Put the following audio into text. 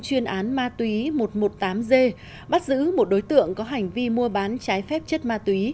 chuyên án ma túy một trăm một mươi tám g bắt giữ một đối tượng có hành vi mua bán trái phép chất ma túy